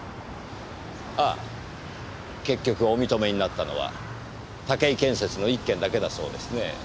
ああ結局お認めになったのは岳井建設の１件だけだそうですねぇ。